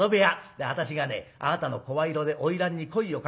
で私がねあなたの声色で花魁に声をかけますよ。